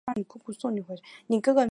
伊芝诺生于巴西萨尔瓦多。